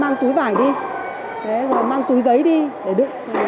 mang túi vải đi mang túi giấy đi để đựng